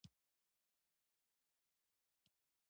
افغانستان په مورغاب سیند باندې تکیه لري.